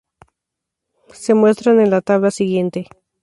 Se muestra en la tabla siguiente.